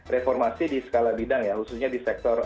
reformasi di skala bidang khususnya di skala bidang